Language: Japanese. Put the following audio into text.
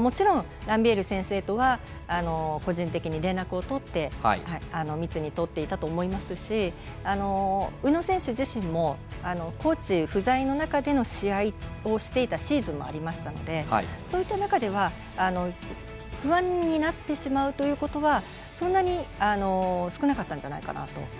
もちろん、ランビエール先生とは個人的に連絡を密に取っていたと思いますし宇野選手自身もコーチ不在の中で試合をしていたシーズンもありましたのでそういった中では不安になってしまうということは少なかったんじゃないかなと。